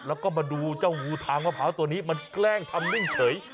แล้วก็มาดูเจ้างูทางมะพร้าวตัวนี้มันแกล้งทำนิ่งเฉย